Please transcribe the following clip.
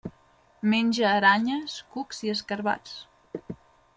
Menja aranyes, cucs i escarabats.